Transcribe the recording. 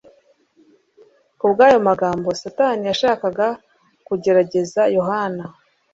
Kubw'ayo magambo Satani yashakaga kugerageza Yohana.